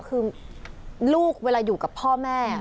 คือลูกเวลาอยู่กับพ่อแม่